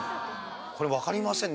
これわかりませんね。